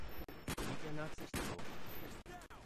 Liga nach sich zog.